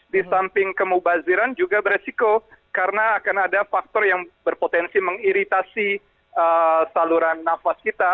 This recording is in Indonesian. di samping kemubaziran juga beresiko karena akan ada faktor yang berpotensi mengiritasi saluran nafas kita